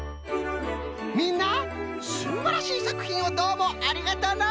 みんなすんばらしいさくひんをどうもありがとのう！